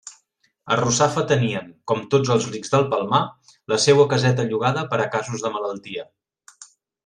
A Russafa tenien, com tots els rics del Palmar, la seua caseta llogada per a casos de malaltia.